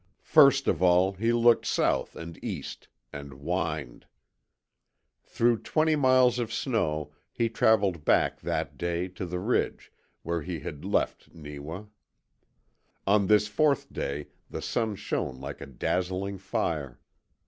First of all he looked south and east, and whined. Through twenty miles of snow he travelled back that day to the ridge where he had left Neewa. On this fourth day the sun shone like a dazzling fire.